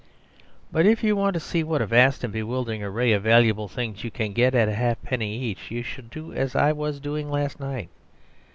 But if you want to see what a vast and bewildering array of valuable things you can get at a halfpenny each you should do as I was doing last night.